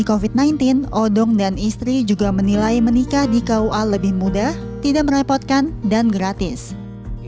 kofit sembilan belas odong dan istri juga menilai menikah di kua lebih mudah tidak merepotkan dan gratis